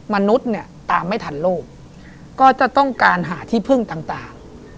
มนุษย์เนี่ยตามไม่ทันโลกก็จะต้องการหาที่พึ่งต่าง